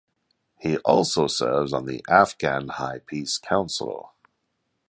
He also serves on the Afghan High Peace Council.